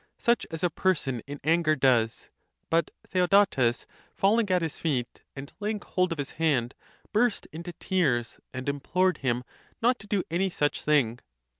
such as a person in anger does. But Theodotes falling at his feet, and laying hold of his hand, burst into tears, and implored him not to do any such thing.?